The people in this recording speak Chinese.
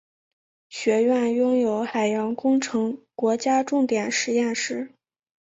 学院拥有海洋工程国家重点实验室。